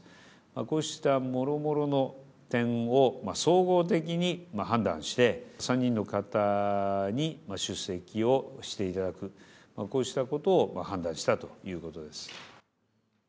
こうしたもろもろの点を総合的に判断して、３人の方に出席をしていただく、こうしたことを判断したということです。